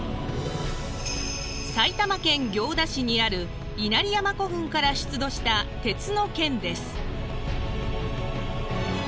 埼玉県行田市にある稲荷山古墳から出土した鉄の剣です。